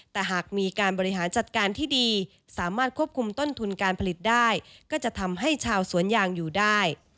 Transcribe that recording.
แต่หากมีการบริหารจัดการที่ดีสามารถควบคุมต้นทุนการผลิตได้ก็จะทำให้ชาวสวนยางอยู่ได้